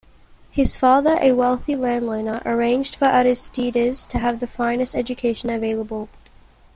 His father, a wealthy landowner, arranged for Aristides to have the finest education available.